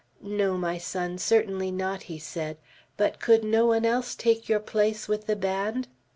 "No, my son, certainly not," he said; "but could no one else take your place with the band?"